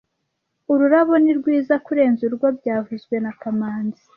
Ururabo ni rwiza kurenza urwo byavuzwe na kamanzi